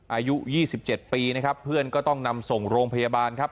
อายุ๒๗ปีนะครับเพื่อนก็ต้องนำส่งโรงพยาบาลครับ